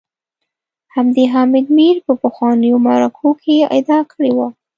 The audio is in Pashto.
همدې حامد میر په پخوانیو مرکو کي ادعا کړې وه